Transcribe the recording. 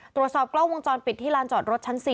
ตรวจสอบกล้องวงจรปิดที่ลานจอดรถชั้น๔